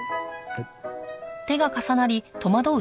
えっ。